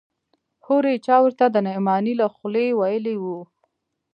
هورې چا ورته د نعماني له خولې ويلي و.